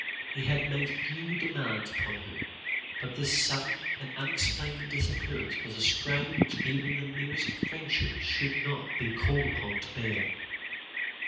He had made few demands upon her, but this sudden and unexplained disappearance was a strain which even the merest friendship should not be called upon to bear.